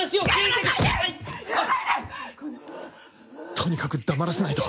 とにかく黙らせないと。